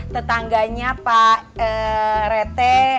tetangganya pak rt